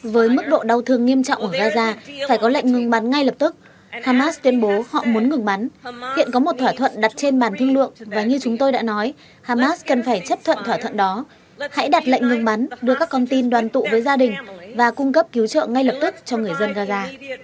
với mức độ đau thương nghiêm trọng ở gaza phải có lệnh ngừng bắn ngay lập tức hamas tuyên bố họ muốn ngừng bắn hiện có một thỏa thuận đặt trên bàn thương lượng và như chúng tôi đã nói hamas cần phải chấp thuận thỏa thuận đó hãy đặt lệnh ngừng bắn đưa các con tin đoàn tụ với gia đình và cung cấp cứu trợ ngay lập tức cho người dân gaza